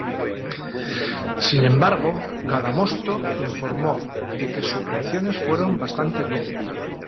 Sin embargo, Cadamosto informó de que sus relaciones fueron bastante bien.